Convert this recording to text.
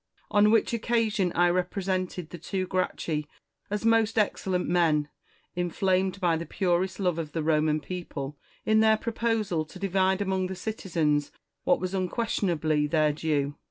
On which occasion I represented the two Gracchi as most excellent men, in flamed by the purest love of the Roman people, in their proposal to divide among the citizens what was unquestion ably their due.